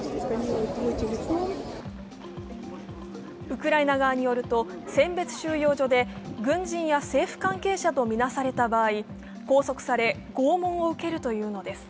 ウクライナ側によると選別収容所で軍人や政府関係者とみなされた場合、拘束され、拷問を受けるというのです。